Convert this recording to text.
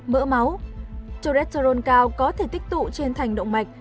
mỡ máu cholesterol cao có thể tích tụ trên thành động mạch